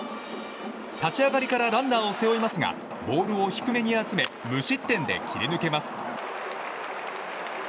立ち上がりからランナーを背負いますがボールを低めに集め無失点で切り抜けます。